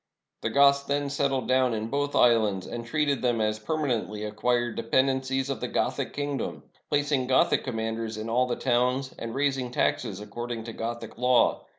The Goths then settled down in both islands, and treated them as permanently acquired de pendencies of the Gothic kingdom, placing Gothic com manders in all the towns, and raising taxes according to Gothic law.